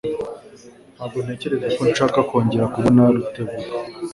Ntabwo ntekereza ko nshaka kongera kubona Rutebuka.